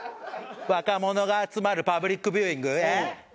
若者が集まるパブリックビューイング？えっ？